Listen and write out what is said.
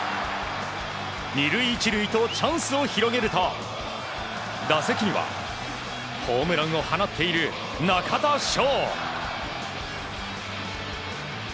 ２塁１塁とチャンスを広げると打席にはホームランを放っている中田翔。